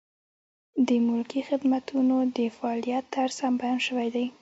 د ملکي خدمتونو د فعالیت طرز هم بیان شوی دی.